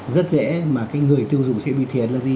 rất dễ mà cái người tiêu dùng sẽ bị thiệt là gì